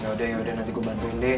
yaudah yaudah nanti gue bantuin deh